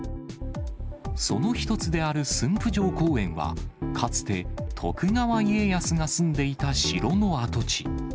その１つである駿府城公園は、かつて、徳川家康が住んでいた城の跡地。